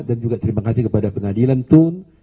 dan juga terima kasih kepada pengadilan tun